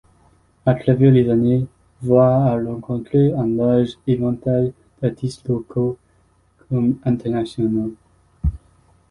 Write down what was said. À travers les années, Voir a rencontré un large éventail d’artistes locaux comme internationaux.